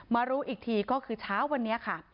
รู้อีกทีก็คือเช้าวันนี้ค่ะ